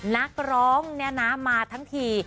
นักร้องแนะนำมาทั้งที